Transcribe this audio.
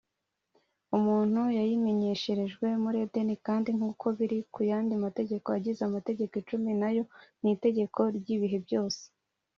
umuntu yayimenyesherejwe muri edeni kandi nk’uko biri ku yandi mategeko agize amategeko icumi, nayo ni itegeko ry’ibihe byose